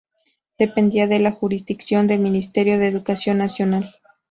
Dependía de la jurisdicción del Ministerio de Educación Nacional.